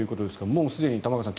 もうすでに玉川さん